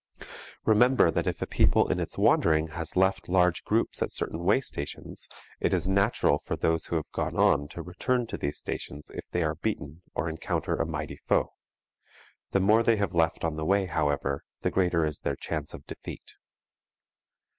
Remember that if a people in its wandering has left large groups at certain way stations, it is natural for those who have gone on to return to these stations if they are beaten or encounter a mighty foe. The more they have left on the way, however, the greater is their chance of defeat.